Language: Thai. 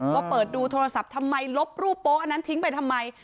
เปิดดูโทรศัพท์ทำไมลบรูปโป๊ะอันนั้นทิ้งไปทำไม